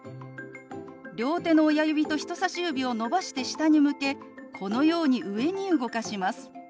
両手の親指と人さし指を伸ばして下に向けこのように上に動かします。